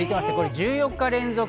１４日連続。